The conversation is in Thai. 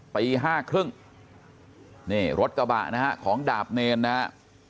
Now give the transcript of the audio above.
ปี๕๓๐นี่รถกระบะนะฮะของดาบเนรนะฮะ